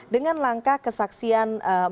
dengan langkah kesaksian menjelaskan